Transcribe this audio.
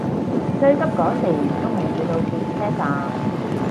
最急嗰時都未去到轉車站